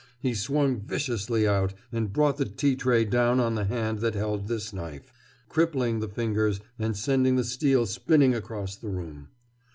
He swung viciously out and brought the tea tray down on the hand that held this knife, crippling the fingers and sending the steel spinning across the room.